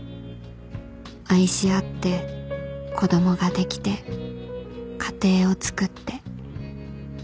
愛し合って子供ができて家庭をつくって